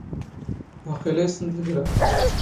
ⵡⴰⵇⵉⵍⴰ ⵉⵙⵙⵏⵜⵍ ⴽⵔⴰ.